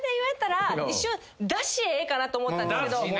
ええかなと思ったんですけど。